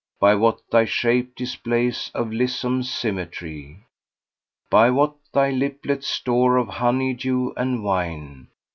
* By what thy shape displays of lissome symmetry! By what thy liplets store of honey dew and wine!